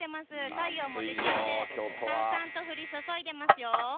太陽も出ていて、さんさんと降り注いでますよ。